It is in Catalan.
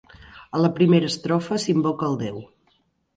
A la primera estrofa s'invoca al déu.